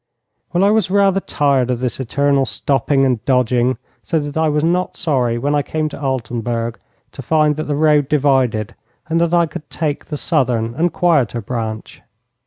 Well, I was rather tired of this eternal stopping and dodging, so that I was not sorry when I came to Altenburg to find that the road divided, and that I could take the southern and quieter branch.